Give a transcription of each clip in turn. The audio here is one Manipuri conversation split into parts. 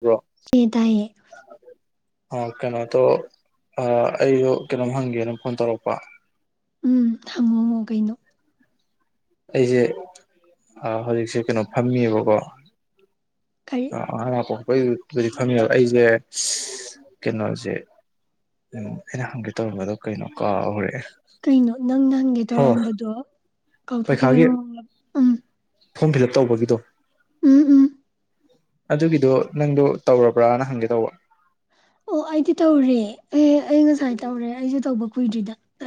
ꯕ꯭ꯔꯣ ꯑꯦ ꯇꯑꯌꯦ ꯑꯣ ꯀꯩꯅꯣꯇꯣ ꯑꯩꯁꯨ ꯀꯩꯅꯣꯝ ꯍꯪꯒꯦꯅ ꯐꯣꯟ ꯇꯧꯔꯛꯄ ꯎꯝ ꯍꯃꯣ ꯃꯣ ꯀꯩꯅꯣ ꯑꯩꯁꯦ ꯍꯧꯖꯤꯛꯁꯦ ꯀꯩꯅꯣ ꯐꯝꯃꯤꯕꯀꯣ ꯀꯔꯤ ꯑ ꯑꯔ ꯄꯣꯛꯄꯩꯗꯤ ꯈꯪꯉꯕ ꯑꯩꯁꯦ ꯀꯩꯅꯣꯁꯦ ꯎꯝ ꯑꯩꯅ ꯍꯪꯒꯦ ꯇꯧꯔꯝꯕꯗꯣ ꯀꯩꯅꯣ ꯀꯥ ꯍꯧꯔꯛꯑꯦ ꯀꯩꯅꯣ ꯅꯪ ꯅ ꯍꯪꯒꯦ ꯇꯧꯔꯝꯕꯗꯣ ꯀꯥꯎꯊꯣꯛꯈꯤꯕꯒꯤ ꯃꯑꯣꯡꯗ ꯎꯝ ꯐꯣꯝ ꯐꯤꯜ ꯑꯞ ꯇꯧꯕꯒꯤꯗꯣ ꯎꯝ ꯎꯝ ꯑꯗꯨꯒꯤꯗꯣ ꯅꯪꯗꯣ ꯇꯧꯔꯕ꯭ꯔꯥꯅ ꯍꯪꯒꯦ ꯇꯧꯕ ꯑꯣ ꯑꯩꯗꯤ ꯇꯧꯔꯦ ꯑꯦ ꯑꯩ ꯉꯁꯥꯏ ꯇꯧꯔꯦ ꯑꯩꯁꯨ ꯇꯧꯕ ꯀꯨꯏꯗ꯭ꯔꯤꯗ ꯑ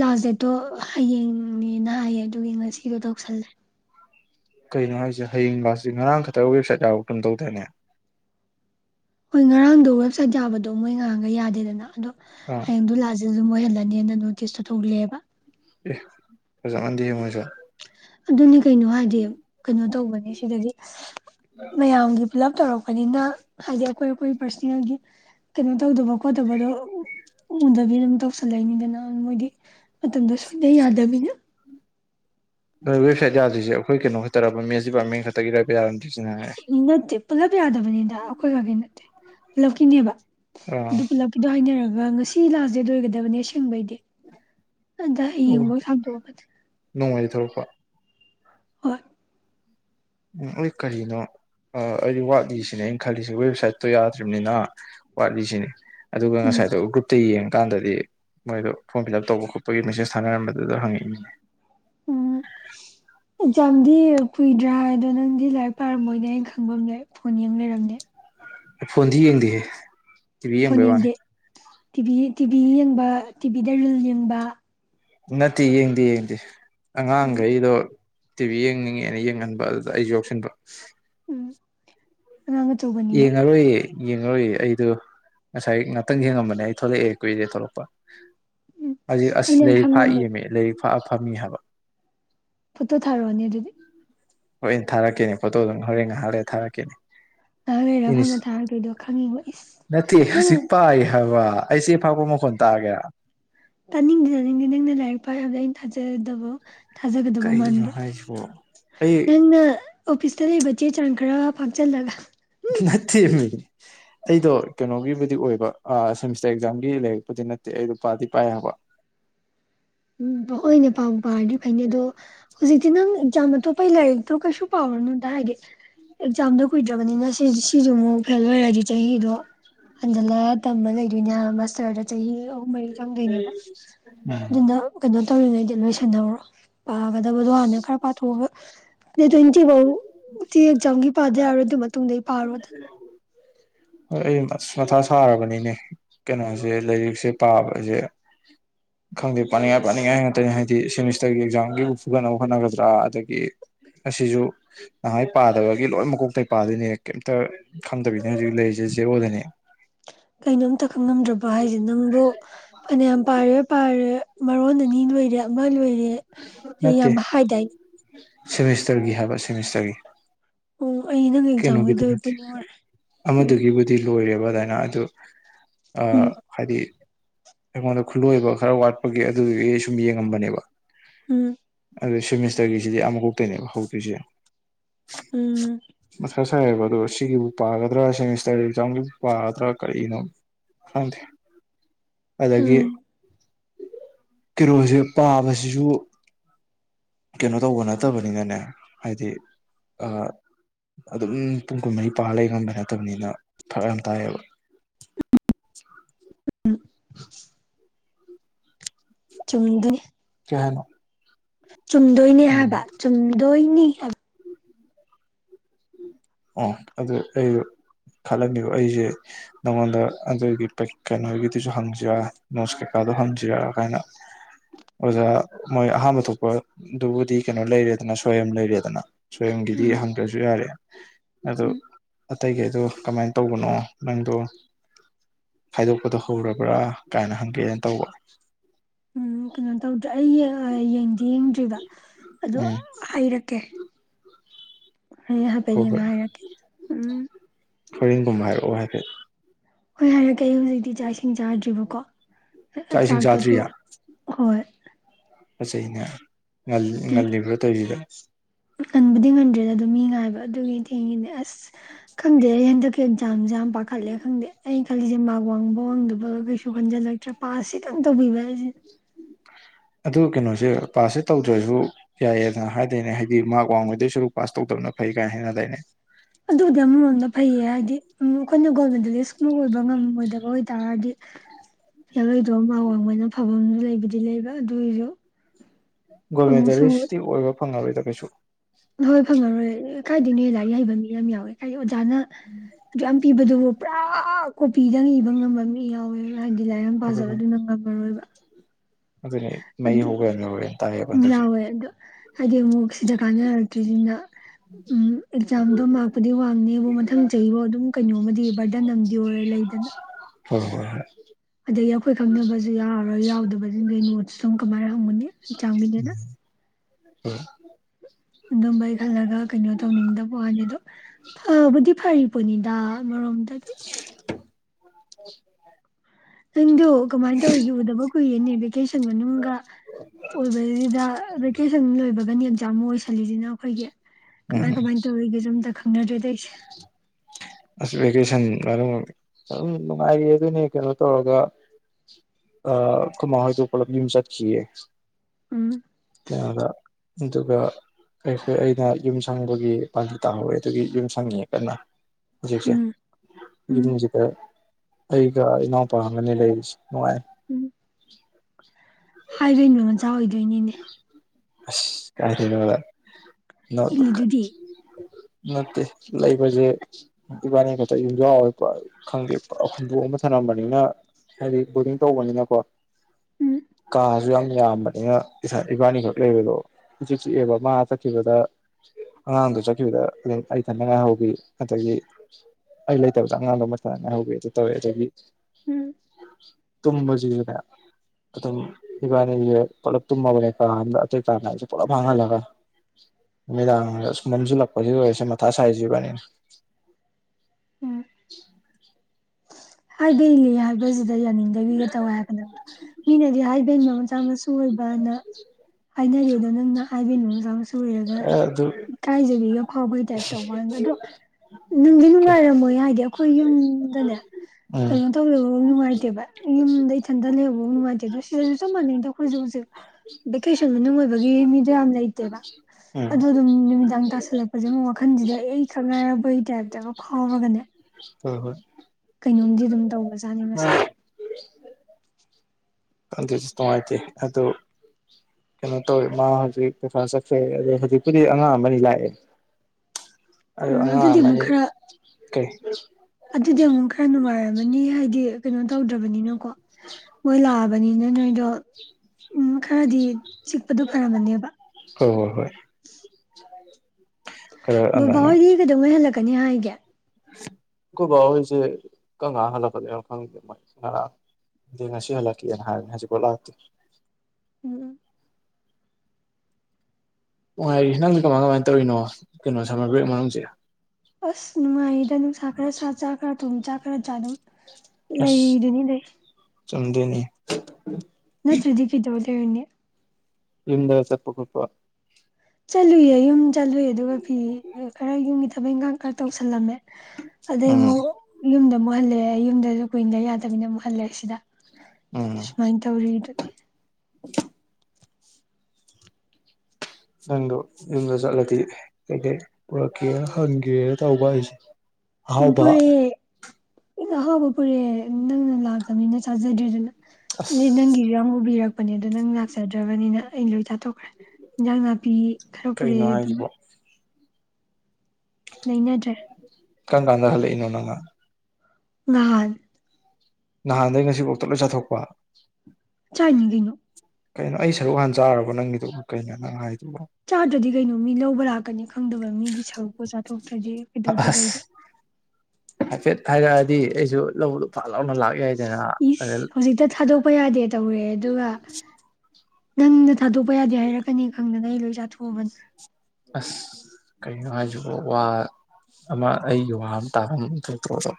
ꯂꯥꯁ ꯁꯦꯠꯇꯣ ꯍꯌꯦꯡꯅꯦꯅ ꯍꯥꯏꯌꯦ ꯑꯗꯨꯒꯤ ꯉꯁꯤꯗꯣ ꯇꯧꯁꯤꯜꯂꯦ ꯀꯩꯅꯣ ꯍꯥꯏꯁꯦ ꯍꯌꯦꯡ ꯂꯁꯤ ꯉꯔꯥꯡ ꯈꯛꯇ ꯋꯦꯕꯁꯥꯏꯠ ꯌꯥꯎꯕ ꯑꯗꯨꯝ ꯇꯧꯗꯣꯏꯅꯦ ꯍꯣꯏ ꯉꯔꯥꯡꯗꯣ ꯋꯦꯕꯁꯥꯏꯠ ꯌꯥꯕꯗꯣ ꯃꯣꯏ ꯉꯔꯥꯡꯒ ꯌꯥꯗꯦꯗꯅ ꯑꯗꯣ ꯑꯥ ꯍꯌꯦꯡꯗꯣ ꯂꯥꯁ ꯗꯦꯠ ꯑꯗꯨ ꯑꯣꯏꯍꯜꯂ ꯅ ꯅꯣꯇꯤꯁꯇ ꯊꯣꯛꯂꯦꯕ ꯐꯖꯃꯟꯗꯦꯅꯦ ꯃꯣꯏꯁꯨ ꯑꯗꯨꯅꯤ ꯀꯩꯅꯣ ꯍꯥꯏꯗꯤ ꯀꯩꯅꯣ ꯇꯧꯕꯅꯦ ꯁꯤꯗꯗꯤ ꯃꯌꯥꯝꯒꯤ ꯄꯨꯜꯂꯞ ꯇꯧꯔꯛꯄꯅꯤꯅ ꯍꯥꯏꯗꯤ ꯑꯩꯈꯣꯏ ꯑꯩꯈꯣꯏ ꯄꯔꯁꯣꯅꯦꯜꯒꯤ ꯀꯩꯅꯣ ꯇꯧꯗꯕ ꯈꯣꯠꯇꯕꯗꯣ ꯎꯗꯕꯤ ꯑꯗꯨꯝ ꯇꯧꯁꯜꯂꯛꯏꯅꯤꯗꯅ ꯃꯣꯏꯗꯤ ꯃꯇꯝꯗꯣ ꯁꯣꯏꯗ ꯌꯥꯗꯕꯤꯅ ꯍꯣꯏꯋꯦꯕꯁꯥꯏꯠ ꯌꯥꯗ꯭ꯔꯤꯁꯦ ꯑꯩꯈꯣꯏ ꯀꯩꯅꯣ ꯈꯛꯇꯔꯕ ꯃꯦꯠꯁ ꯗꯤꯄꯥꯔꯠꯃꯦꯟ ꯈꯛꯇꯒꯤꯔ ꯍꯥꯏꯕ ꯌꯥꯔ ꯅꯠꯇꯦ ꯄꯨꯂꯞ ꯌꯥꯗꯕꯅꯤꯗ ꯑꯩꯈꯣꯏ ꯈꯛꯀꯤ ꯅꯠꯇꯦ ꯄꯨꯂꯞꯀꯤꯅꯦꯕ ꯑꯥ ꯑꯗꯨ ꯄꯨꯂꯞꯀꯤꯗꯣ ꯍꯥꯏꯅꯔꯒ ꯉꯁꯤ ꯂꯥꯁ ꯗꯦꯠ ꯑꯣꯏꯒꯗꯕꯅꯦ ꯑꯁꯦꯡꯕꯩꯗꯤ ꯑꯗ ꯍꯌꯦꯡꯕꯥꯎ ꯁꯥꯡꯇꯣꯛꯑꯕꯅꯦ ꯊꯣꯔꯛꯄ ꯍꯣꯏ ꯎꯝ ꯑꯩ ꯀꯔꯤꯅꯣ ꯑꯩꯗꯤ ꯋꯥꯠꯂꯤꯁꯤꯅꯦ ꯑꯩꯅ ꯈꯜꯂꯤꯁꯦ ꯋꯦꯕꯁꯥꯏꯠ ꯋꯥꯠꯇꯣ ꯌꯥꯗ꯭ꯔꯤꯕꯅꯤꯅ ꯋꯥꯠꯂꯤꯁꯤꯅꯤ ꯑꯗꯨꯒ ꯎꯝ ꯉꯁꯥꯏꯗꯣ ꯒ꯭ꯔꯨꯞꯇ ꯌꯦꯡꯉ ꯀꯥꯟꯗꯗꯤ ꯃꯣꯏꯗꯣ ꯐꯣꯝ ꯐꯤꯜ ꯑꯞ ꯇꯧꯕ ꯈꯣꯠꯄꯒꯤ ꯃꯦꯁꯦꯁ ꯊꯥꯅꯔꯝꯕꯗꯨꯗꯣ ꯍꯪꯉꯛꯏꯅꯦ ꯎꯝ ꯑꯦꯛꯖꯥꯝꯗꯤ ꯀꯨꯏꯗ꯭ꯔꯦ ꯍꯥꯏ ꯑꯗꯣ ꯅꯪꯗꯤ ꯂꯥꯏꯔꯤꯛ ꯄꯥꯔꯝꯃꯣꯏꯅꯦ ꯑꯩꯅ ꯈꯪꯕꯝ ꯂꯩ ꯐꯣꯟ ꯌꯦꯡ ꯂꯩꯔꯝꯅꯤ ꯐꯣꯟꯗꯤ ꯌꯦꯡꯗꯦꯍꯦ ꯇꯤꯚꯤ ꯐꯣꯟ ꯌꯦꯡꯕꯩ ꯋꯥꯅꯤ ꯌꯦꯡꯗꯦ ꯇꯤꯚꯤ ꯇꯤꯚꯤ ꯌꯦꯡꯕ ꯇꯤꯚꯤꯗ ꯔꯤꯜ ꯌꯦꯡꯕ ꯅꯠꯇꯦ ꯌꯦꯡꯗꯦ ꯌꯦꯡꯗꯦ ꯎꯝ ꯑꯉꯥꯡꯈꯩꯗꯣ ꯇꯤꯚꯤ ꯌꯦꯡꯅꯤꯡꯉꯦꯅ ꯌꯦꯡꯍꯟꯕ ꯑꯗꯨꯗ ꯑꯩꯁꯨ ꯌꯥꯎꯁꯟꯕ ꯑꯉꯥꯡ ꯑꯆꯧꯕꯅꯤꯅ ꯌꯦꯡꯉꯔꯨꯏ ꯑꯩꯗꯣ ꯉꯁꯥꯏ ꯉꯥꯛꯇꯪ ꯌꯦꯡꯉꯝꯕꯅꯦ ꯑꯩ ꯊꯣꯛꯂꯛꯑꯦ ꯀꯨꯏꯔꯦ ꯊꯣꯛꯂꯛꯄ ꯎꯝ ꯍꯧꯖꯤꯛ ꯑꯁ ꯑꯩ ꯅꯪ ꯂꯥꯏꯔꯤꯛ ꯈꯪꯕ ꯐꯥꯛ ꯑꯃ ꯂꯩ ꯏꯃꯦ ꯂꯥꯏꯔꯤꯛ ꯐꯥꯛꯑ ꯐꯝꯃꯤ ꯍꯥꯏꯕ ꯐꯣꯠꯇꯣ ꯊꯥꯔꯛꯑꯣꯅꯦ ꯑꯗꯨꯗꯤ ꯍꯣꯔꯦꯟ ꯊꯥꯔꯛꯀꯦꯅꯦ ꯐꯣꯇꯣꯗꯣ ꯍꯣꯔꯦꯟ ꯉꯍꯥꯛ ꯂꯩꯔꯒ ꯊꯥꯔꯛꯀꯦꯅꯦ ꯉꯥꯏꯍꯥꯛ ꯂꯩꯔ ꯐꯝꯃ ꯏꯁ ꯊꯥꯔꯛꯇꯣꯏꯗꯣ ꯈꯪꯉꯤꯕ ꯏꯁ ꯅꯠꯇꯦ ꯅꯪ ꯍꯧꯖꯤꯛ ꯄꯥꯏ ꯍꯥꯏꯕ ꯑꯩ ꯆꯦ ꯐꯥꯛꯄ ꯃꯈꯣꯟ ꯇꯥꯒꯦꯔꯥ ꯐꯣꯏ ꯍꯥꯏꯕꯗꯤ ꯑꯩꯅ ꯊꯥꯖꯗꯕ ꯊꯥꯖꯒꯗꯕ ꯀꯩꯅꯣ ꯃꯥꯟꯕ꯭ꯔꯣ ꯍꯥꯏꯁꯤꯕꯣ ꯑꯩ ꯅꯪꯅ ꯑꯣꯐꯤꯁꯇ ꯂꯩꯕ ꯆꯦ ꯆꯥꯡ ꯈꯔ ꯄꯥꯆꯜꯂꯒ ꯅꯠꯇꯦꯃꯤ ꯑꯩꯗꯣ ꯀꯩꯅꯣꯒꯤꯕꯨꯗꯤ ꯑꯣꯏꯕ ꯁꯦꯃꯤꯁꯇꯔ ꯑꯦꯛꯖꯥꯝꯒꯤ ꯂꯥꯏꯔꯤꯛꯄꯨꯗꯤ ꯅꯠꯇꯦ ꯑꯩꯗꯣ ꯄꯥꯗꯤ ꯄꯥꯏ ꯍꯥꯏꯕ [inaudible] ꯎꯝꯍꯣꯏꯅꯦ ꯄꯥꯕꯨ ꯄꯥꯔꯗꯤ ꯐꯩꯅꯦ ꯑꯗꯣ ꯍꯧꯖꯤꯛꯇꯤ ꯅꯪ ꯥꯑꯦꯛꯖꯥꯝ ꯑꯇꯣꯞꯄꯩ ꯂꯥꯏꯔꯤꯛꯇꯣ ꯀꯩꯁꯨ ꯄꯥꯔꯨꯅꯨꯗ ꯍꯥꯏꯗꯤ ꯑꯦꯛꯖꯥꯝꯗꯣ ꯀꯨꯏꯗ꯭ꯔꯕꯅꯤꯅ ꯁꯤꯁꯨ ꯑꯃꯨꯛ ꯐꯦꯜ ꯑꯣꯏꯔꯗꯤ ꯆꯍꯤꯗꯣ ꯍꯟꯖꯤꯂ ꯇꯝꯃ ꯂꯩꯗꯣꯏꯅꯦ ꯃꯁꯇꯔꯗ ꯆꯍꯤ ꯑꯍꯨꯝ ꯃꯔꯤ ꯆꯪꯗꯣꯏꯅꯦꯕ ꯎꯝ ꯑꯗꯨꯅ ꯀꯩꯅꯣ ꯇꯧꯔꯤꯉꯩꯗꯤ ꯂꯣꯏꯁꯟꯅꯧꯔꯣ ꯄꯥꯒꯗꯕꯗꯣ ꯍꯥꯟꯅ ꯈꯔ ꯄꯥꯊꯣꯛꯑꯒ ꯗꯦꯠ ꯇ꯭ꯋꯦꯟꯇꯤ ꯐꯥꯎꯗꯤ ꯑꯦꯛꯖꯥꯝꯒꯤ ꯄꯥꯗ ꯌꯥꯔꯣꯏ ꯑꯗꯨ ꯃꯇꯨꯡꯗꯗꯒꯤ ꯄꯥꯔꯣ ꯑꯗꯨꯅ ꯍꯣꯏ ꯑꯩꯁ ꯃꯊꯥ ꯁꯥꯔꯕꯅꯤꯅꯦ ꯀꯩꯅꯣꯁꯦ ꯂꯥꯏꯔꯤꯛꯁꯦ ꯄꯥꯕꯁꯦ ꯈꯪꯗꯦ ꯄꯥꯅꯤꯉꯥꯏ ꯄꯅꯤꯉꯥꯏ ꯉꯥꯛꯇꯅꯦ ꯗꯤ ꯁꯦꯃꯤꯁꯇꯔꯒꯤ ꯑꯦꯛꯖꯥꯝꯒꯤꯕꯨ ꯐꯨꯒꯠꯅꯕ ꯍꯣꯠꯅꯒꯗ꯭ꯔꯥ ꯑꯗꯒꯤ ꯑꯁꯤꯁꯨ ꯅꯍꯥꯏ ꯄꯥꯗꯕꯒꯤ ꯂꯣꯏ ꯃꯀꯣꯛꯇ ꯄꯥꯗꯣꯏꯅꯦ ꯀꯩꯝꯇ ꯈꯪꯗꯕꯤꯅꯦ ꯍꯧꯖꯤꯛ ꯂꯩꯔꯤꯁꯦ ꯖꯦꯔꯣꯗꯅꯦ ꯀꯩꯅꯣꯝꯇ ꯈꯪꯉꯝꯗ꯭ꯔꯕ ꯍꯥꯏꯁꯦ ꯅꯪꯕꯨ ꯐꯅꯌꯥꯝ ꯄꯥꯔꯦ ꯄꯥꯔꯦ ꯃꯔꯣꯟ ꯑꯅꯤ ꯂꯣꯏꯔꯦ ꯑꯃ ꯂꯣꯏꯔꯦ ꯁꯤ ꯅꯠꯇꯦ ꯌꯥꯝ ꯍꯥꯏꯗꯥꯏ ꯁꯦꯃꯤꯁꯇꯔꯒꯤ ꯍꯥꯏꯕ ꯁꯦꯃꯤꯁꯇꯔꯒꯤ ꯑꯣ ꯀꯩꯅꯣꯒꯤꯗꯨ ꯅꯠꯇꯦ ꯎꯝ ꯑꯃꯗꯨꯒꯤꯕꯨꯗꯤ ꯂꯣꯏꯔꯦ ꯑꯗꯨꯅ ꯑ ꯎꯝ ꯍꯥꯏꯗꯤ ꯑꯩꯉꯣꯟꯗ ꯈꯨꯠꯂꯣꯏꯕ ꯈꯔ ꯋꯥꯠꯄꯒꯤ ꯑꯗꯨꯗꯨꯒꯤ ꯑꯩ ꯁꯨꯝ ꯌꯦꯡꯉꯝꯕꯅꯦꯕ ꯎꯝ ꯑꯗꯨꯗ ꯁꯦꯃꯤꯁꯇꯔꯒꯤꯁꯤꯗꯤ ꯑ ꯃꯀꯣꯛꯇꯣꯏꯅꯦꯕ ꯍꯧꯗꯣꯏꯁꯦ ꯎꯝ ꯃꯊꯥ ꯁꯥꯏꯌꯦꯕ ꯑꯗꯣ ꯁꯤꯒꯤꯕꯨ ꯄꯥꯒꯗ꯭ꯔꯥ ꯁꯦꯃꯤꯁꯇꯔ ꯑꯦꯛꯖꯥꯝꯒꯤꯕꯨ ꯄꯥꯒꯗ꯭ꯔꯥ ꯀꯔꯤꯅꯣ ꯈꯪꯗꯦ ꯑꯗꯒꯤ ꯎꯝ ꯀꯩꯅꯣꯁꯦ ꯄꯥꯕꯁꯤꯁꯨ ꯀꯩꯅꯣ ꯇꯧꯕ ꯅꯠꯇꯕꯅꯤꯅꯅꯦ ꯍꯥꯏꯗꯤ ꯑ ꯑꯗꯨꯝ ꯄꯨꯡ ꯀꯨꯟꯃꯔꯤ ꯄꯥ ꯂꯩ ꯉꯝꯕ ꯅꯠꯇꯕꯅꯤꯅ ꯐꯔꯛ ꯌꯥꯝ ꯇꯥꯏꯌꯦꯕ [inaudible] ꯎꯝ ꯆꯨꯝꯗꯨꯅꯤ ꯀꯩ ꯍꯥꯏꯅꯣ ꯆꯨꯝꯗꯣꯏꯅꯤ ꯎꯝ ꯍꯥꯏꯕ ꯆꯨꯝꯗꯣꯏꯅꯤ ꯍꯥꯏꯕ ꯑꯣ ꯑꯗꯨ ꯑꯩ ꯈꯜꯂꯝꯃꯤꯕ ꯑꯩꯁꯦ ꯅꯪꯉꯣꯟꯗ ꯑꯗꯨꯒꯤ ꯀꯩꯅꯣꯒꯤꯗꯨꯁꯨ ꯍꯪꯁꯤꯔꯥ ꯅꯣꯏꯠꯁ ꯀꯩꯀꯥ ꯑꯗꯣ ꯍꯪꯖꯤꯔ ꯀꯥꯏꯅ ꯑꯣꯖꯥ ꯃꯣꯏ ꯑꯍꯥꯟꯕ ꯊꯣꯛꯄ ꯗꯨꯕꯨꯗꯤ ꯀꯩꯅꯣ ꯂꯩꯔꯦꯗꯅ ꯁꯣꯌꯦꯝ ꯂꯩꯔꯦꯗꯅ ꯁꯣꯏꯌꯦꯝ ꯒꯤꯗꯤ ꯎꯝ ꯍꯪꯗ꯭ꯔꯖꯨ ꯌꯥꯔꯦ ꯑꯗꯨ ꯎꯝ ꯑꯇꯩꯒꯩꯗꯣ ꯀꯃꯥꯏꯅ ꯇꯧꯕꯅꯣ ꯅꯪꯗꯣ ꯈꯥꯏꯗꯣꯛꯄꯗꯣ ꯍꯧꯔꯕ꯭ꯔꯥ ꯀꯥꯏꯅ ꯍꯪꯒꯦꯅ ꯇꯧꯕ ꯎꯝ ꯀꯩꯅꯣ ꯇꯧꯗ꯭ꯔꯦ ꯑꯩ ꯌꯦꯡꯗꯤ ꯌꯦꯡꯗ꯭ꯔꯤꯕ ꯑꯗꯣ ꯎꯝ ꯍꯥꯏꯔꯛꯀꯦ ꯑꯩ ꯍꯥꯏꯐꯦꯠ ꯍꯣꯏ ꯌꯦꯡꯉ ꯍꯥꯏꯔꯛꯀꯦ ꯎꯝ ꯍꯣꯔꯦꯡꯒꯨꯝꯕ ꯍꯥꯏꯔꯛꯑꯣ ꯍꯥꯏꯐꯦꯠ ꯍꯣꯏ ꯍꯥꯏꯔꯛꯀꯦ ꯍꯧꯖꯤꯛꯇꯤ ꯆꯥꯛ ꯏꯁꯤꯡ ꯆꯥꯗ꯭ꯔꯤꯕꯀꯣ ꯆꯥꯛ ꯏꯁꯤꯡ ꯆꯥꯛꯇꯣ ꯆꯥꯗ꯭ꯔꯤꯌꯥ ꯇꯣꯛ ꯍꯣꯏ ꯐꯖꯩꯅꯦ ꯉꯜ ꯎꯝ ꯉꯜꯂꯤꯕ꯭ꯔꯥ ꯇꯧꯖꯤꯗꯤ ꯗꯤ ꯉꯟꯗ꯭ꯔꯦꯗ ꯑꯗꯨꯝ ꯃꯤ ꯉꯥꯏꯕ ꯑꯗꯨꯒꯤ ꯊꯦꯡꯉꯤꯅꯦ ꯑꯁ ꯈꯪꯗꯦ ꯑꯩ ꯍꯟꯗꯛꯀꯤ ꯑꯦꯛꯖꯥꯝꯁꯦ ꯌꯥꯝ ꯄꯥꯈꯠꯂꯦ ꯈꯪꯗꯦ ꯑꯩ ꯈꯜꯂꯤꯖꯦ ꯃꯥꯥꯛ ꯋꯥꯡꯕ ꯋꯥꯡꯗꯕꯒ ꯀꯩꯁꯨ ꯈꯟꯖꯜꯂꯛꯇ꯭ꯔꯦ ꯄꯥꯁ ꯁꯤꯇꯪ ꯇꯧꯕꯤꯕ ꯍꯥꯏꯁꯦ ꯑꯗꯨ ꯀꯩꯅꯣꯖꯦ ꯄꯥꯁꯁꯦ ꯇꯧꯗ꯭ꯔꯖꯨ ꯌꯥꯏꯌꯦꯅ ꯍꯥꯏꯗꯥꯏꯅꯦ ꯍꯥꯏꯗꯤ ꯃꯥꯔꯛ ꯋꯥꯡꯉꯣꯏꯗꯩꯁꯔꯨꯛ ꯄꯥꯁ ꯇꯧꯗꯕ ꯐꯩ ꯀꯥꯏ ꯍꯥꯏꯅꯗꯥꯏꯅꯦ ꯑꯗꯨꯗꯤ ꯑꯃꯔꯣꯝꯗ ꯐꯩꯌꯦ ꯍꯥꯏꯗꯤ ꯎꯝ ꯑꯩꯈꯣꯏꯅ ꯒꯣꯜ ꯃꯦꯗꯂꯤꯁꯀꯨꯝꯕ ꯑꯣꯏꯕ ꯉꯝꯃꯣꯏꯗꯕ ꯑꯣꯏꯇꯥꯔꯗꯤ [unintelligible] ꯑꯃꯨꯛꯁꯨ ꯒꯣꯜꯃꯦꯗꯥꯂꯤꯁꯇꯤ ꯑꯣꯏꯕ ꯐꯪꯉꯔꯣꯏꯗ ꯀꯩꯁꯨ ꯍꯣꯏ ꯐꯪꯉꯔꯣꯏ ꯀꯥꯏꯗꯩꯅꯣ ꯍꯦ ꯂꯥꯏꯔꯤꯛ ꯍꯩꯕ ꯃꯤ ꯌꯥꯝ ꯌꯥꯎꯋꯦ ꯖꯥꯅ ꯑꯗꯨ ꯌꯥꯝ ꯄꯤꯕꯗꯨꯕꯨ ꯄꯨꯔꯥ ꯀꯣꯄꯤꯗꯪ ꯏꯕ ꯉꯝꯕ ꯃꯤ ꯌꯥꯎꯋꯦ ꯍꯥꯏꯗꯤ ꯂꯥꯏꯔꯤꯛ ꯌꯥꯝ ꯄꯥꯖꯕ ꯗꯨꯅ ꯉꯝꯃꯔꯣꯏꯕ ꯑꯗꯨꯅꯦ ꯃꯩ ꯍꯧꯕ ꯑꯗꯨ ꯌꯥꯝ ꯌꯥꯎꯑꯦ ꯇꯥꯏꯌꯦꯕ ꯍꯟꯗꯛꯁꯦ ꯌꯥꯎꯋꯦ ꯑꯗꯣ ꯍꯥꯏꯗꯤ ꯑꯃꯨꯛ ꯁꯤꯗ ꯀꯥꯟꯅꯔꯛꯇ꯭ꯔꯤꯒꯤꯅ ꯎꯝ ꯑꯦꯛꯖꯥꯝꯗꯣ ꯃꯥꯔꯛꯄꯨꯗꯤ ꯋꯥꯡꯅꯤꯕꯣ ꯃꯊꯪ ꯆꯩꯍꯤꯕꯧ ꯑꯗꯨꯝ ꯀꯩꯅꯣꯝꯃ ꯗꯤ ꯕꯔꯗꯟ ꯑꯃꯗꯤ ꯑꯣꯏ ꯂꯩꯗꯅ ꯍꯣꯏ ꯍꯣꯏ ꯍꯣꯏ ꯑꯗꯩ ꯑꯩꯈꯣꯏ ꯈꯪꯅꯕꯖꯨ ꯌꯥꯎ ꯌꯥꯎꯗꯕꯖꯤꯡꯗ ꯅꯣ꯭ꯠꯁꯇꯨ ꯀꯃꯥꯏꯅ ꯍꯪꯒꯨꯅꯤ ꯑꯦꯛꯆꯥꯝꯒꯤꯅꯦꯅ [unintelligible] ꯑꯗꯨꯝꯕꯩ ꯈꯜꯂꯒ ꯀꯩꯅꯣ ꯇꯧꯅꯤꯡꯗꯕ ꯋꯥꯅꯤꯗ ꯑꯗꯣ ꯐꯕꯨꯗꯤ ꯐꯔꯤꯄꯣꯠꯅꯤꯗ ꯑꯃꯔꯣꯝꯗꯗꯤ [unintelligible] ꯅꯪꯗꯨ ꯀꯃꯥꯏꯅ ꯇꯧꯔꯤꯒꯦ ꯎꯗꯕ ꯀꯨꯏꯔꯦꯅꯦ ꯚꯦꯀꯦꯁꯟ ꯃꯅꯨꯡꯒ ꯑꯣꯏꯕꯩꯗ ꯚꯦꯀꯦꯁꯟ ꯂꯣꯏꯕꯒꯅꯤ ꯑꯗꯨ ꯑꯦꯛꯖꯥꯝ ꯑꯣꯏꯁꯜꯂꯤꯖꯤꯅ ꯑꯩꯈꯣꯏꯒꯤ ꯀꯃꯥꯏ ꯎꯝ ꯀꯃꯥꯏꯅ ꯇꯧꯔꯤꯒꯦꯖꯨ ꯑꯝꯇ ꯈꯪꯅꯗ꯭ꯔꯦꯗ ꯇꯩꯖꯦ ꯑꯁ ꯚꯦꯀꯦꯁꯟ ꯑꯗꯨꯝ ꯑꯗꯨꯝ ꯅꯨꯡꯉꯥꯏꯔꯤ ꯑꯗꯨꯅꯦ ꯀꯩꯅꯣ ꯇꯧꯔꯒ ꯑ ꯈꯣꯏ ꯃꯥ ꯍꯣꯏꯗꯨ ꯄꯨꯂꯞ ꯌꯨꯝ ꯆꯠꯈꯤꯌꯦ ꯎꯝ ꯀꯩꯅꯣꯗ ꯑꯗꯨꯒ ꯀꯩ ꯀꯩ ꯑꯩꯅ ꯌꯨꯝ ꯁꯪꯕꯒꯤ ꯄꯥꯟꯂꯤ ꯇꯥꯍꯧꯋꯦ ꯑꯗꯨꯒꯤ ꯌꯨꯝ ꯁꯪꯉꯤ ꯀꯟꯅ ꯍꯧꯖꯤꯛꯁꯦ ꯎꯝ ꯎꯝ ꯌꯨꯝꯖꯤꯗ ꯑꯩꯒ ꯏꯅꯥꯎꯄꯥ ꯑꯃꯒꯅꯦ ꯂꯩꯔꯤꯁꯤ ꯅꯨꯡꯉꯥꯏ ꯎꯝ [unintelligible] ꯍꯥꯏꯕ ꯢꯟꯕ ꯃꯆꯥ ꯑꯣꯏꯗꯣꯏꯅꯤꯅꯦ ꯑꯁ ꯀꯥꯢꯗꯩꯅꯣꯗ ꯅ ꯑꯗꯨ ꯏꯜꯂꯤꯗꯨꯗꯤ ꯅꯠꯇꯦ ꯂꯩꯕꯖꯦ ꯏꯕꯥꯅꯤ ꯈꯛꯇ ꯌꯨꯝꯖꯥꯎꯗ ꯄꯨꯔꯥ ꯈꯪꯗꯦ ꯄꯨꯔꯥ ꯍꯟꯗꯣꯛ ꯑꯃ ꯊꯅꯝ ꯑꯝꯕꯅꯤꯅ ꯍꯥꯏꯗꯤ ꯀꯨꯂꯤꯡ ꯇꯧꯕꯅꯤꯅꯀꯣ ꯎꯝ ꯀꯥꯖꯨ ꯌꯥꯝ ꯌꯥꯝꯕꯅꯤꯅ ꯏꯁꯥ ꯏꯕꯥꯅꯤꯈꯛ ꯂꯩꯕꯗꯣ ꯏꯆꯤꯛ ꯆꯤꯛꯑꯦꯕ ꯃꯥ ꯆꯠꯈꯤꯕꯗ ꯑꯉꯥꯡꯗꯨ ꯆꯠꯈꯤꯕꯗ ꯑꯗꯨ ꯑꯩ ꯊꯟꯗꯉꯥꯏ ꯍꯧꯕꯤ ꯑꯗꯩꯗꯤ ꯑꯩ ꯂꯩꯇꯕꯗ ꯑꯉꯥꯡꯗꯣ ꯃꯊꯟꯗ ꯉꯥꯏꯍꯧꯕꯤ ꯑꯗꯨ ꯇꯧꯋꯦ ꯑꯗꯨꯒꯤ ꯎꯝ ꯇꯨꯝꯕꯖꯤꯖꯨꯅꯦ ꯑꯗꯨꯝ ꯏꯕꯅꯤꯖꯦ ꯄꯨꯜ ꯇꯨꯝꯕꯅꯦ ꯀ ꯑꯃꯗ ꯑꯇꯩ ꯀ ꯃꯌꯥꯝꯁꯦ ꯄꯨꯂꯞ ꯃꯥꯡꯍꯜꯂ ꯒ ꯅꯨꯃꯤꯗꯥꯡ ꯃꯝꯁꯤꯜꯂꯛꯄꯖꯦ ꯑꯣꯏꯔꯦꯁꯦ ꯃꯊꯥ ꯁꯥꯏꯁꯦ ꯢꯕꯅꯤꯅ [inaudible] ꯍꯥꯏꯗꯤ ꯍꯥꯏꯕꯖꯤꯗ ꯌꯥꯅꯤꯡꯗꯕꯤꯒ ꯇꯧꯋꯦ ꯍꯥꯏꯕ ꯅꯪꯗꯣ ꯃꯤꯅꯗꯤ ꯍꯥꯏꯕ ꯢꯟꯕ ꯃꯆꯥ ꯃꯁꯨ ꯅꯣꯏꯕꯅ ꯍꯥꯏꯅꯔꯦꯗꯅ ꯅꯪ ꯍꯥꯏꯕ ꯢꯟꯕ ꯃꯆꯥ ꯃꯁꯨ ꯑꯣꯏꯔꯒ ꯈꯔ ꯑꯗꯨꯝ ꯏꯀꯥꯏꯖꯕꯤꯒ ꯐꯥꯎꯕꯒꯤ ꯇꯥꯏꯞꯇ ꯇꯧꯕꯋꯥꯅꯦ ꯑꯗꯣ ꯅꯨꯡꯗꯤ ꯅꯨꯡꯉꯥꯏꯔꯝꯃꯣꯏ ꯍꯥꯏꯗꯤ ꯑꯩꯈꯣꯏ ꯌꯨꯝꯗꯅꯦ ꯎꯝ ꯀꯩꯅꯣ ꯇꯧꯗꯕ ꯅꯨꯡꯉꯥꯏꯇꯦꯕ ꯌꯨꯝꯗ ꯏꯊꯟꯗ ꯂꯩꯍꯧꯕ ꯃꯨꯛ ꯅꯨꯡꯉꯥꯏꯇꯦ ꯑꯗꯣ ꯁꯤꯗꯁꯨ ꯆꯞ ꯃꯥꯟꯅꯩꯗ ꯑꯩꯈꯣꯏꯖꯤꯛ ꯍꯧꯖꯤꯛ ꯚꯦꯀꯦꯁꯟ ꯃꯅꯨꯡ ꯑꯣꯏꯕꯒꯤ ꯃꯤꯗꯣ ꯌꯥꯝ ꯂꯩꯇꯦꯕ ꯎꯝ ꯑꯗꯨ ꯑꯗꯨꯝ ꯅꯨꯃꯤꯗꯥꯡ ꯇꯁꯤꯟ ꯍꯜꯂꯛꯄꯁꯤ ꯑꯃꯛ ꯋꯈꯟꯁꯤꯗꯤ ꯑꯩ ꯑꯩ ꯈꯪ ꯉꯥꯏꯔꯕꯒꯤ ꯇꯥꯏꯞꯇ ꯐꯥꯎꯔꯒꯅꯦ ꯍꯣꯏ ꯍꯣꯏ ꯀꯩꯅꯣꯝꯗꯤ ꯑꯗꯨꯝ ꯇꯧꯕꯖꯥꯠꯅꯤ ꯃꯁꯦ ꯈꯪꯗꯦ ꯁꯇ꯭ꯔꯥꯗꯤ ꯑꯗꯣ ꯀꯩꯅꯣ ꯇꯧꯋꯦ ꯃꯥ ꯍꯧꯖꯤꯛ ꯄꯩꯈ ꯆꯠꯈ꯭ꯔꯦ ꯑꯗꯣ ꯍꯧꯖꯤꯛꯄꯨꯗꯤ ꯑꯉꯥꯡ ꯑꯃꯅꯤ ꯂꯥꯛꯑꯦ ꯑꯌꯨꯛ ꯎꯝ ꯑꯉꯥꯡ ꯑꯗꯨꯗꯤ ꯑꯃꯨꯛ ꯑꯃꯅꯤ ꯈꯔ ꯀꯩ ꯑꯗꯨꯗꯤ ꯑꯃꯨꯛ ꯈꯔ ꯅꯨꯡꯉꯥꯏꯔꯝꯃꯅꯤ ꯍꯥꯏꯗꯤ ꯀꯩꯅꯣ ꯇꯧꯗ꯭ꯔꯕꯅꯤꯅꯀꯣ ꯃꯣꯏ ꯂꯥꯛꯑ ꯕꯅꯤꯅ ꯅꯣꯏꯗꯣ ꯎꯝ ꯈꯔꯗꯤ ꯆꯤꯛꯄꯗꯣ ꯐꯔꯝꯃꯅꯦꯕ ꯍꯣ ꯍꯣꯏ ꯈꯔ ꯕꯕꯥ ꯑꯗꯨꯃꯥꯏꯅ ꯍꯣꯏꯗꯤ ꯀꯩꯗꯧꯉꯩ ꯍꯜꯂꯛꯀꯅꯤ ꯍꯥꯏꯒꯦ ꯑꯩꯈꯣꯏ ꯕꯥ ꯍꯣꯏꯁꯦ ꯀꯝꯀꯟ ꯍꯜꯂꯛ ꯀꯗꯣꯢꯅꯣ ꯈꯪꯗꯦ ꯃꯣꯏ ꯉꯁꯤ ꯍꯜꯂꯛꯀꯦ ꯍꯥꯏꯕꯅꯦ ꯍꯧꯖꯤꯛꯐꯧ ꯂꯛꯇꯦ ꯎꯝ ꯅꯨꯡꯉꯥꯏꯔꯤ ꯅꯪꯗꯤ ꯀꯃꯥꯏ ꯀꯃꯥꯏꯅ ꯇꯧꯔꯤꯅꯣ ꯀꯩꯅꯣ ꯁꯝꯃꯔ ꯕ꯭ꯔꯦꯛ ꯃꯅꯨꯡꯁꯦ ꯑꯁ ꯅꯨꯡꯉꯥꯏꯌꯦꯗ ꯅꯨꯡꯁ ꯈꯔ ꯁꯥ ꯆꯥꯛ ꯈꯔ ꯊꯣꯡ ꯆꯥꯛ ꯈꯔ ꯆ ꯑꯗꯨꯝ ꯂꯩꯗꯨꯅꯤ ꯂꯩ ꯆꯟꯗꯦꯅꯦ ꯅꯠꯇꯔꯗꯤ ꯀꯩꯗꯧꯔ ꯂꯩꯔꯅꯤ ꯌꯨꯝꯗ ꯆꯠꯄ ꯀꯣꯠꯄ ꯆꯠꯂꯨꯏꯌꯦ ꯌꯨꯝ ꯆꯠꯂꯨꯏ ꯑꯗꯨꯒ ꯐꯤ ꯈꯔ ꯌꯨꯝꯒꯤ ꯊꯕꯛ ꯏꯟꯈꯥꯡ ꯈꯔ ꯇꯧꯁꯜꯂꯝꯃꯦ ꯑꯗꯩ ꯎꯝ ꯃꯨꯛ ꯌꯨꯝꯗ ꯑꯃꯨꯛ ꯍꯜꯂꯛꯑꯦ ꯌꯨꯝꯗꯁꯨ ꯀꯨꯏꯅ ꯂꯩ ꯌꯥꯗꯕꯅꯤꯅ ꯑꯃꯨꯛ ꯍꯜꯂꯛꯑꯦ ꯁꯤꯗ ꯎꯝ ꯁꯨꯃꯥꯏꯟ ꯇꯧꯔꯦ ꯑꯗꯨꯗꯤ ꯅꯪꯗꯣ ꯌꯨꯝꯗ ꯆꯠꯂꯗꯤ ꯀꯩꯀꯩ ꯄꯨꯔꯛꯀꯦ ꯍꯪꯒꯦꯅ ꯇꯧꯕ ꯑꯩꯁꯦ ꯎꯝ ꯑꯍꯥꯎꯕ ꯄꯨꯔꯛꯑꯦ ꯑꯩꯅ ꯑꯍꯥꯎꯕ ꯄꯨꯔꯛꯑꯦ ꯅꯪꯅ ꯂꯥꯛꯇꯕꯅꯤꯅ ꯆꯥꯖꯗ꯭ꯔꯦꯗꯅ ꯅꯤ ꯑꯁ ꯅꯪꯒꯤ ꯌꯥꯎꯅ ꯄꯨꯕꯤꯔꯛꯄꯅꯦ ꯑꯗꯣ ꯅꯪ ꯂꯥꯛꯆꯗ꯭ꯔꯕꯅꯤꯅ ꯑꯩ ꯂꯣꯏ ꯆ ꯇꯧꯈ꯭ꯔꯦ ꯏꯟꯖꯥꯡ ꯅꯥꯄꯤ ꯈꯔ ꯀꯩꯅꯣ ꯄꯨꯔꯛꯑꯦ ꯑꯗꯨꯝ ꯍꯥꯏꯁꯤꯕꯣ ꯅꯩꯅꯗ꯭ꯔꯦ ꯀꯝ ꯀꯥꯟꯗ ꯍꯜꯂꯛꯏꯅꯣ ꯅꯪꯅ ꯉꯍꯥꯟ ꯅꯍꯥꯟꯗꯒꯤ ꯉꯁꯤꯕꯧꯇ ꯂꯣꯏ ꯆꯥꯊꯣꯛꯄ ꯆꯥꯏꯅꯤ ꯀꯩꯅꯣ ꯀꯩꯅꯣ ꯑꯩ ꯁꯔꯨꯛ ꯍꯥꯟ ꯆꯥꯔꯕꯣ ꯅꯪꯒꯤꯗꯨꯕꯨ ꯀꯩꯅꯣ ꯅꯪ ꯍꯥꯏ ꯆꯥꯗ꯭ꯔꯗꯤ ꯀꯩꯅꯣ ꯃꯤ ꯂꯧꯕ ꯂꯥꯛꯀꯅꯤ ꯈꯪꯗꯕ ꯃꯤꯒꯤ ꯁꯔꯨꯛꯄꯨ ꯆꯥꯊꯣꯛꯇ꯭ꯔꯗꯤ ꯀꯩꯗꯧꯗꯣꯏꯕ ꯑꯩꯗꯤ ꯑꯁ ꯍꯥꯏꯐꯦꯠ ꯍꯥꯏꯔꯛꯑꯗꯤ ꯑꯩꯁꯨ ꯂꯧꯕꯗꯣ ꯐꯠ ꯂꯥꯎꯅ ꯂꯥꯛ ꯌꯥꯏꯗꯅ ꯑꯗ ꯏꯁ ꯍꯧꯖꯤꯛꯇ ꯊꯥꯗꯣꯛꯄ ꯌꯥꯗꯦ ꯇꯧꯔꯦ ꯑꯗꯨꯒ ꯅꯪꯅ ꯊꯥꯗꯣꯛ ꯄ ꯌꯥꯗꯦ ꯍꯥꯏꯔꯛꯀꯅꯤ ꯈꯪꯗꯅ ꯑꯩ ꯂꯣꯏ ꯆꯥꯊꯣꯛꯑꯕꯅꯦ ꯑꯁ ꯀꯩꯅꯣ ꯍꯥꯏꯁꯤꯕꯣ ꯋꯥ ꯑꯃ ꯑꯩꯒꯤ ꯋꯥ ꯑꯃ ꯇꯥꯐꯝ ꯊꯣꯛꯇ꯭ꯔꯣ [inaudible]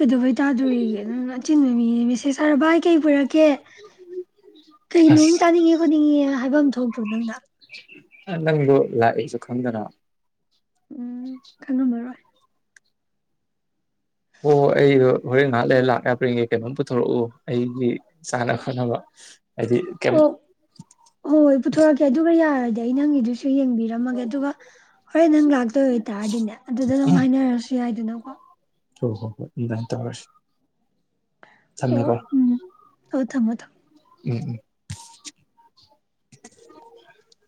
ꯀꯩꯗꯧꯕꯩ ꯇꯥꯗꯣꯔꯤꯒꯦ ꯅꯪ ꯑꯆꯤꯟꯕ ꯃꯤꯅꯤ ꯃꯦꯁꯦꯖ ꯊꯥꯔꯒ ꯚꯥꯏ ꯀꯩ ꯄꯨꯔꯛ ꯀꯦ ꯀꯩꯅꯣꯝ ꯑꯁ ꯆꯥꯅꯤꯡꯉꯦ ꯈꯣꯠꯅꯤꯡꯉꯦ ꯍꯥꯏꯐꯝ ꯊꯣꯛꯇ꯭ꯔꯣ ꯅꯪꯅ ꯅꯪꯗꯣ ꯂꯥꯛꯑꯦꯁꯨ ꯈꯪꯗꯅ ꯎꯝ ꯈꯪꯉꯝꯃꯔꯣꯢ ꯑꯣ ꯑꯣ ꯑꯩ ꯍꯣꯔꯦꯟ ꯉꯥꯢꯍꯥꯛ ꯂꯩꯔ ꯂꯥꯛ ꯌꯥꯕ꯭ꯔ ꯌꯦꯡꯒꯦ ꯀꯩꯅꯣꯝ ꯄꯨꯊꯣꯔꯛꯎ ꯑꯩꯒꯤ ꯆꯥꯟꯅ ꯈꯣꯠꯅꯕ ꯍꯥꯏꯗꯤ ꯀꯩꯝ ꯑꯣ ꯍꯣꯏ ꯍꯣꯏ ꯄꯨꯊꯣꯔꯛꯀꯦ ꯑꯗꯨꯕꯨ ꯌꯥꯔꯗꯤ ꯑꯩ ꯅꯪꯒꯤꯗꯨꯁꯨ ꯁꯨ ꯌꯦꯡꯕꯤꯔꯝꯃꯒꯦ ꯑꯗꯨꯒ ꯍꯣꯔꯦꯟ ꯅꯪ ꯂꯥꯛꯇꯣꯏ ꯑꯣꯏꯇꯥꯔꯗꯤꯅꯦ ꯑꯗꯨꯗ ꯑꯗꯨꯝ ꯍꯥꯏꯅꯔꯁꯨ ꯌꯥꯏꯗꯅꯀꯣ ꯍꯣꯏ ꯍꯣꯏ ꯍꯣꯏ ꯑꯗꯨꯃꯥꯏꯅ ꯇꯧꯔꯁꯤ ꯍꯣꯏ ꯊꯝꯃꯦꯀꯣ ꯎꯝ ꯑꯣ ꯊꯝꯃꯣ ꯊꯝꯃꯣ ꯎꯝ ꯎꯝ [inaudible]